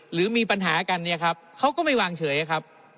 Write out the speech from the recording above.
หรือมีปัญหากันเนี่ยครับเขาก็ไม่วางเฉยครับ